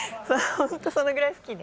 ホントそのぐらい好きで。